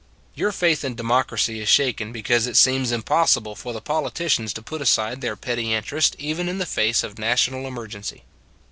Your faith in democracy is shaken be cause it seems impossible for the politicians Lincoln Pulled Through 159 to put aside their petty interests even in the face of national emergency.